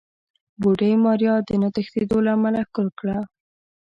بوډۍ ماريا د نه تښتېدو له امله ښکل کړه.